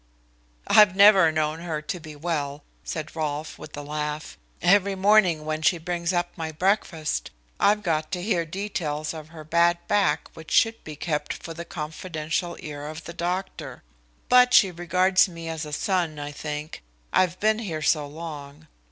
"I've never known her to be well," said Rolfe, with a laugh. "Every morning when she brings up my breakfast I've got to hear details of her bad back which should be kept for the confidential ear of the doctor. But she regards me as a son, I think I've been here so long.